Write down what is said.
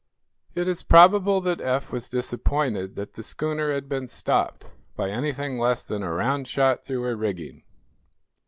It is probable that Eph was disappointed that the schooner had been stopped by anything less than a round shot through her rigging.